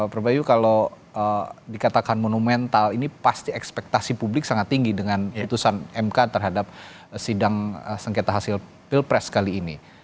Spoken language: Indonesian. pak bayu kalau dikatakan monumental ini pasti ekspektasi publik sangat tinggi dengan putusan mk terhadap sidang sengketa hasil pilpres kali ini